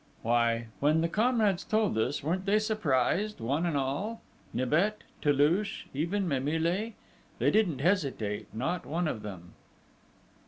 "Why, when the comrades told us, weren't they surprised, one and all? Nibet, Toulouche, even Mimile they didn't hesitate, not one of them!...